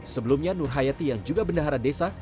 sebelumnya nur hayati yang juga bendahara desa